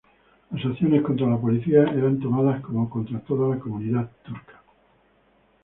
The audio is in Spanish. Las acciones contra la policía eran tomadas como contra toda la comunidad turca.